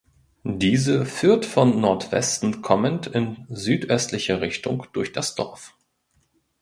Diese führt von Nordwesten kommend in südöstlicher Richtung durch das Dorf.